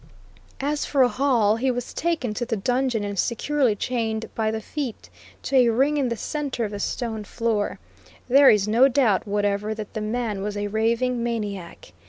As for Hall, he was taken to the dungeon and securely chained by the feet to a ring in the center of the stone floor. There is no doubt whatever that the man was a raving maniac.